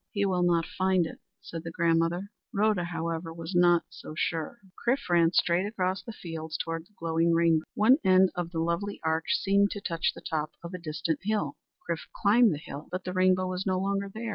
"He will not find it," said the grandmother. Rhoda, however, was not so sure. Chrif in the New Land Chrif ran straight across the fields toward the glowing rainbow. One end of the lovely arch seemed to touch the top of a distant hill. Chrif climbed the hill, but the rainbow was no longer there.